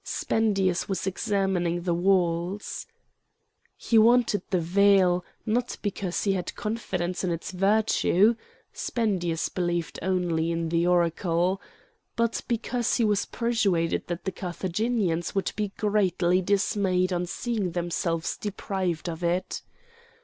Spendius was examining the walls. He wanted the veil, not because he had confidence in its virtue (Spendius believed only in the Oracle), but because he was persuaded that the Carthaginians would be greatly dismayed on seeing themselves deprived of it.